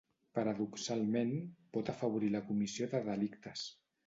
Paradoxalment pot afavorir la comissió de delictes.